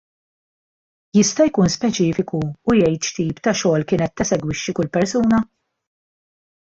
Jista' jkun speċifiku u jgħid x'tip ta' xogħol kienet tesegwixxi kull persuna?